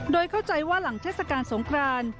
โดยเข้าใจว่าหลังเทศกาลสงคราน